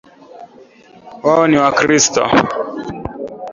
Wao ni wakristo